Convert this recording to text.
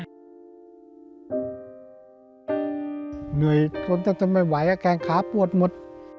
เหนื่อยคนจะไม่ไหวแกงขาปวดหมด